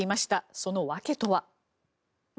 その訳とは。